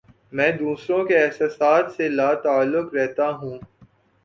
میں دوسروں کے احساسات سے لا تعلق رہتا ہوں